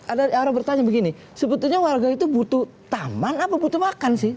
ada orang bertanya begini sebetulnya warga itu butuh taman apa butuh makan sih